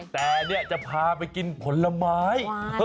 แต่จะพาไปกินผลไม้